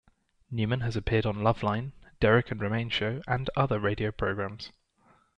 Newman has appeared on "Loveline," Derek and Romaine Show, and other radio programs.